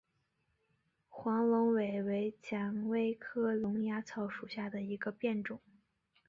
黄龙尾为蔷薇科龙芽草属下的一个变种。